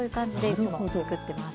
いつもつくってます。